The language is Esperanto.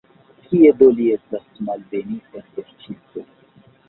Kie do li estas, malbenita sorĉisto?